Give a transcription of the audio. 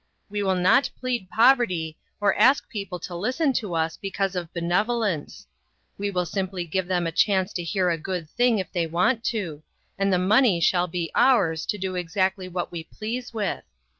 We will not plead poverty, or ask people to lis ten to us because of benevolence ; we will simply give them a chance to hear a good thing if they want to, and the money shall be ours to do exactly what we please with.